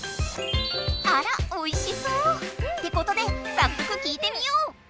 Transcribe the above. あらおいしそってことでさっそく聞いてみよう！